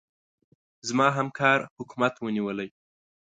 زما همکار حکومت ونيولې.